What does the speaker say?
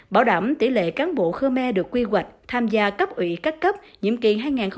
bảo đảm tỷ lệ cán bộ khmer được quy hoạch tham gia cấp ưu cấp cấp nhiệm kỳ hai nghìn hai mươi hai nghìn hai mươi năm